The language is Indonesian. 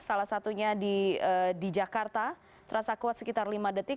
salah satunya di jakarta terasa kuat sekitar lima detik